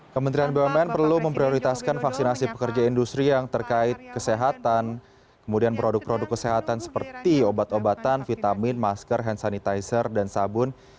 kementerian bumn perlu memprioritaskan vaksinasi pekerja industri yang terkait kesehatan kemudian produk produk kesehatan seperti obat obatan vitamin masker hand sanitizer dan sabun